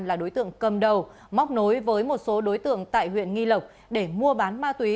là đối tượng cầm đầu móc nối với một số đối tượng tại huyện nghi lộc để mua bán ma túy